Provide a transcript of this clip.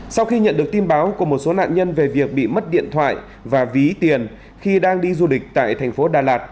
sau khi nhận được tin báo của một số nạn nhân về việc bị mất điện thoại và ví tiền khi đang đi du lịch tại thành phố đà lạt